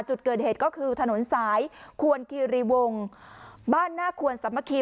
จุดเกิดเหตุก็คือถนนสายควรคีรีวงบ้านหน้าควรสามัคคี